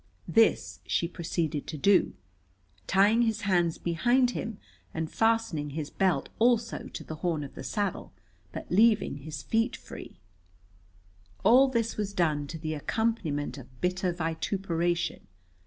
This she proceeded to do, tying his hands behind him and fastening his belt also to the horn of the saddle, but leaving his feet free. All this was done to the accompaniment of bitter vituperation.